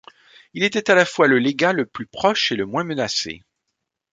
Il était à la fois le légat le plus proche et le moins menacé.